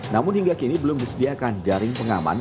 namun hingga kini belum disediakan jaring pengaman